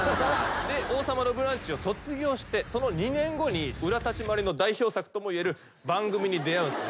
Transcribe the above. で『王様のブランチ』を卒業してその２年後に裏立ち回りの代表作ともいえる番組に出合うんすね。